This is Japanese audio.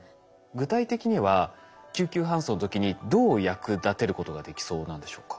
具体的には救急搬送の時にどう役立てることができそうなんでしょうか？